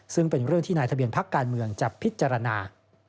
ซึ่งเป็นเรื่องที่นายทะเบียนพักการเมืองจะพิจารณา